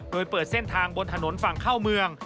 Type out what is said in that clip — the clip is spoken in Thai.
โดยเปิดเส้นทางบนถนนฝั่งเข้าเมือง